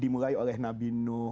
dimulai oleh nabi nuh